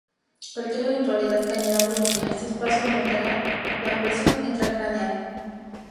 Cualquier eventualidad que añada volumen a este espacio aumentará la presión intracraneal.